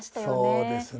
そうですね。